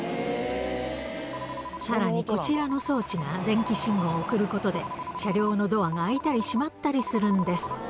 さらにこちらの装置が電気信号を送ることで、車両のドアが開いたり閉まったりするんです。